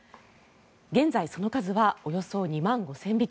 現在その数はおよそ２万５０００匹。